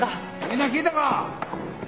みんな聞いたか？